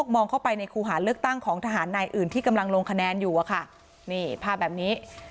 มองเข้าไปในคู่หาเลือกตั้งของทหารนายอื่นที่กำลังลงคะแนนอยู่อะค่ะนี่ภาพแบบนี้